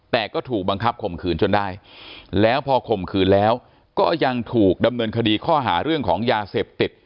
แต่ก็ถูกบังคับข่มขืนจนได้แล้วพอข่มขืนแล้วก็ยังถูกดำเนินคดีข้อหาเรื่องของยาเสพติด